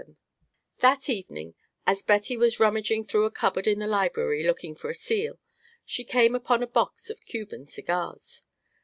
VII That evening, as Betty was rummaging through a cupboard in the library looking for a seal, she came upon a box of Cuban cigars.